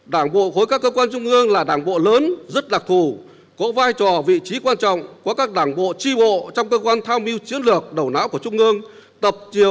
đảng bộ khối các cơ quan trung ương là đảng bộ lớn rất đặc thù có vai trò vị trí quan trọng có các đảng bộ tri bộ trong cơ quan tham mưu chiến lược đầu não của trung ương